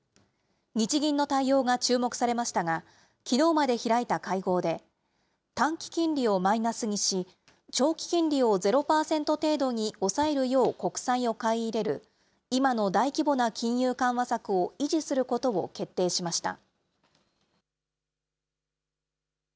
日銀の対応が注目されましたが、きのうまで開いた会合で、短期金利をマイナスにし、長期金利をゼロ％程度に抑えるよう国債を買い入れる、今の大規模な金融緩和策を維持することを決定しました。